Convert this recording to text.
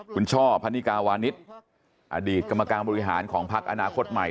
คุณช่อพันนิกาวานิสอดีตกรรมการบริหารของพักอนาคตใหม่